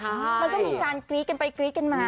มันก็มีการกรี๊ดกันไปกรี๊ดกันมา